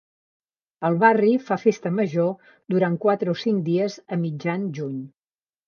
El barri fa festa major durant quatre o cinc dies a mitjan juny.